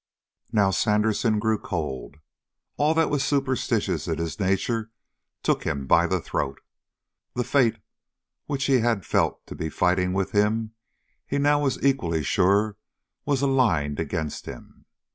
Now Sandersen grew cold. All that was superstitious in his nature took him by the throat. The fate, which he had felt to be fighting with him, he now was equally sure was aligned against him.